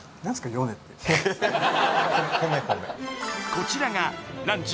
こちらがランチ